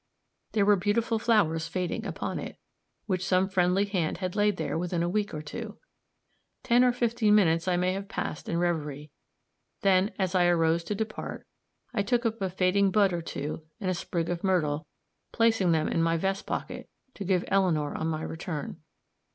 There were beautiful flowers fading upon it, which some friendly hand had laid there within a week or two. Ten or fifteen minutes I may have passed in reverie; then, as I arose to depart, I took up a fading bud or two and a sprig of myrtle, placing them in my vest pocket to give Eleanor on my return.